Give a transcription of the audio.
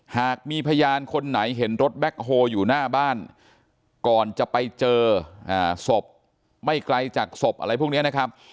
หากมีพยานคนไหนเห็นรถแบ็คโฮลอยู่หน้าบ้านก่อนจะไปเจอศพไม่ไกลจากศพอะไรพวกนี้นะครับ